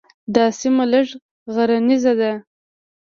دا سیمه لږه غرنیزه ده.